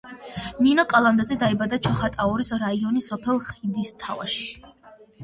ნინო კალანდაძე დაიბადა ჩოხატაურის რაიონის სოფელ ხიდისთავში.